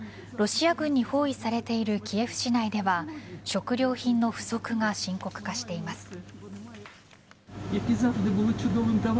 ロシア軍に包囲されているキエフ市内では食料品の不足が深刻化しています。